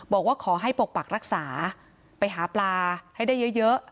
บอกว่าขอให้ปกปักรักษาไปหาปลาให้ได้เยอะ